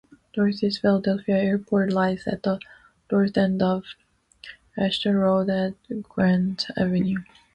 Northeast Philadelphia Airport lies at the north end of Ashton Road at Grant Avenue.